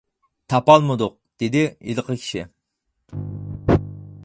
— تاپالمىدۇق، — دېدى ھېلىقى كىشى.